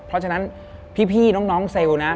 เพราะฉะนั้นพี่น้องเซลล์นะ